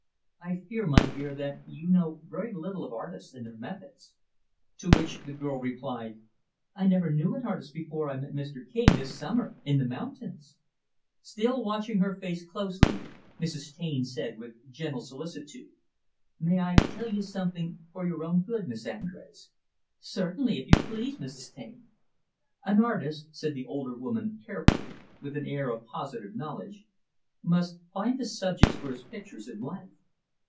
"I fear, my dear, that you know very little of artists and their methods." To which the girl replied, "I never knew an artist before I met Mr. King, this summer, in the mountains." Still watching her face closely, Mrs. Taine said, with gentle solicitude, "May I tell you something for your own good, Miss Andrés?" "Certainly, if you please, Mrs. Taine." "An artist," said the older woman, carefully, with an air of positive knowledge, "must find the subjects for his pictures in life.